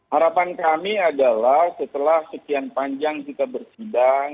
harapan kami adalah setelah sekian panjang kita bersidang